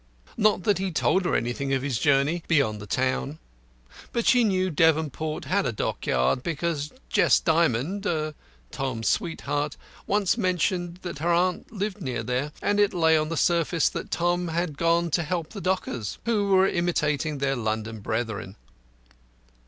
Not that he had told her anything of his journey, beyond the town; but she knew Devonport had a Dockyard because Jessie Dymond Tom's sweetheart once mentioned that her aunt lived near there, and it lay on the surface that Tom had gone to help the dockers, who were imitating their London brethren.